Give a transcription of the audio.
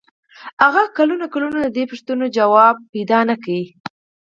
هغه کلونه کلونه د دې پوښتنې ځواب و نه موندلای شو.